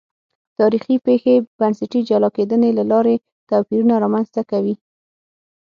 تاریخي پېښې بنسټي جلا کېدنې له لارې توپیرونه رامنځته کوي.